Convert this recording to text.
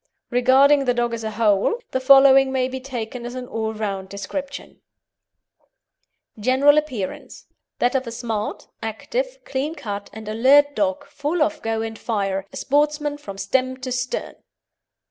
Regarding the dog as a whole, the following may be taken as an all round description: GENERAL APPEARANCE That of a smart, active, clean cut and alert dog, full of go and fire a sportsman from stem to stern.